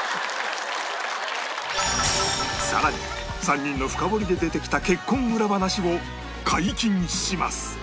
さらに３人の深掘りで出てきた結婚裏話を解禁します